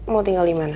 mau tinggal dimana